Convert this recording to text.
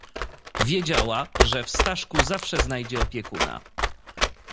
"Wiedziała, że w Staszku zawsze znajdzie opiekuna."